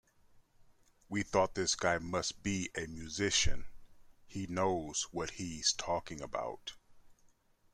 We thought this guy must be a musician; he knows what he's talking about.